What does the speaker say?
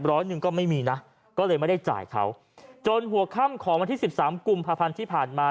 ร้อยหนึ่งก็ไม่มีนะก็เลยไม่ได้จ่ายเขาจนหัวค่ำของวันที่สิบสามกุมภาพันธ์ที่ผ่านมา